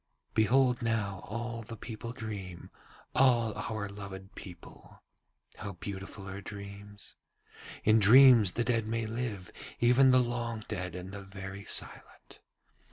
'Behold now all the people dream, all our loved people. How beautiful are dreams! In dreams the dead may live, even the long dead and the very silent.